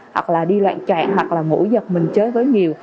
hoặc là đi loạn trạng hoặc là mũi giật mình chơi với nhiều